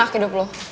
enak hidup lo